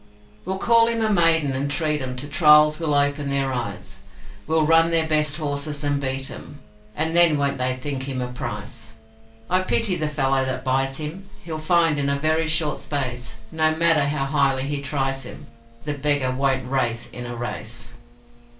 'We'll call him a maiden, and treat 'em To trials will open their eyes, We'll run their best horses and beat 'em, And then won't they think him a prize. I pity the fellow that buys him, He'll find in a very short space, No matter how highly he tries him, The beggar won't RACE in a race.'